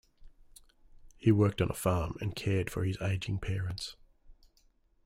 He worked on a farm and cared for his aging parents.